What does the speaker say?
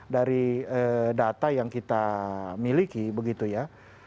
dari data yang kita miliki begitu ya